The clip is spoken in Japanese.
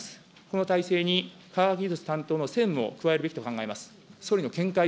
この体制に科学技術担当の線も加えるべきと考えます。